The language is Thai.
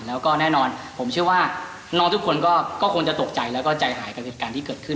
แล้วก็แน่นอนผมเชื่อว่าน้องทุกคนก็คงจะตกใจแล้วก็ใจหายกับเหตุการณ์ที่เกิดขึ้น